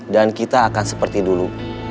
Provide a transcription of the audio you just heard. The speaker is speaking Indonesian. dan kita akan seperti dulu